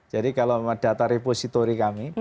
jadi kalau data repository kami